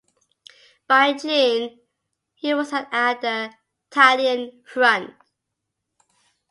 By June, he was at the Italian Front.